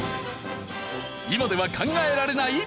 今では考えられない？